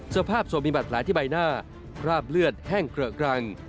สภาพศพมีบาดแผลที่ใบหน้าคราบเลือดแห้งเกลอะกรัง